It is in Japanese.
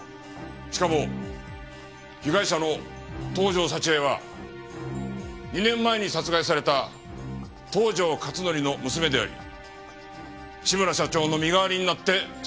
しかも被害者の東条沙知絵は２年前に殺害された東条克典の娘であり志村社長の身代わりになって殺害された。